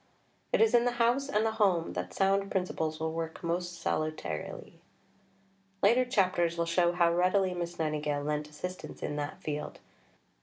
It is in the House and the Home that sound principles will work most salutarily." Later chapters will show how readily Miss Nightingale lent assistance in that field.